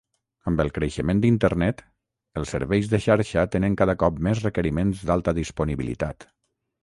Amb el creixement d'Internet, els serveis de xarxa tenen cada cop més requeriments d'alta disponibilitat.